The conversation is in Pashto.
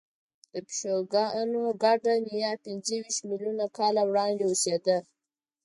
د پیشوګانو ګډه نیا پنځهویشت میلیونه کاله وړاندې اوسېده.